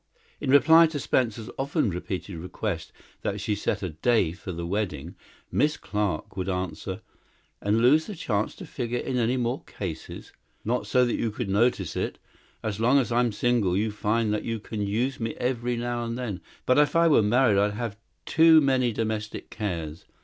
In reply to Spencer's often repeated requests that she set a day for their wedding, Miss Clarke would answer: "And lose the chance to figure in any more cases? Not so that you could notice it! As long as I'm single you find that you can use me every now and then, but if I were married I'd have too many domestic cares.